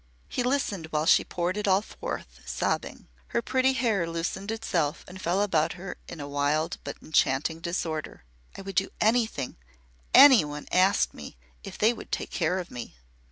He listened while she poured it all forth, sobbing. Her pretty hair loosened itself and fell about her in wild but enchanting disorder. "I would do anything any one asked me, if they would take care of me."